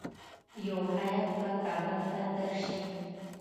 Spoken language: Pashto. یو هیات به کابل ته درسي.